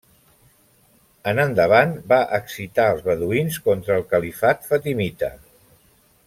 En endavant va excitar els beduïns contra el califat fatimita.